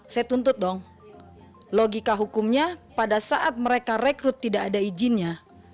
saya tuntut dong logika hukumnya pada saat mereka rekrut tidak ada izinnya